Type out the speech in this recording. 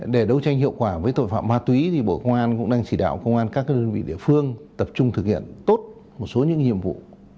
để đấu tranh hiệu quả với tội phạm ma túy thì bộ công an cũng đang chỉ đạo công an các đơn vị địa phương tập trung thực hiện tốt một số những nhiệm vụ